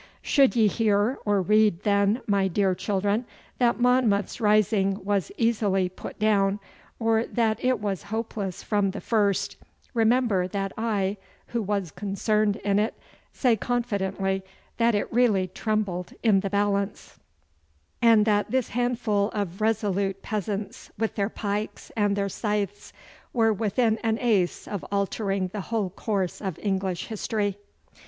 Should ye hear or read, then, my dear children, that Monmouth's rising was easily put down, or that it was hopeless from the first, remember that I, who was concerned in it, say confidently that it really trembled in the balance, and that this handful of resolute peasants with their pikes and their scythes were within an ace of altering the whole course of English history.